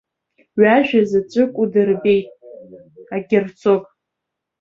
Ҩ-ажәа заҵәык удырбеиеит, агерцог!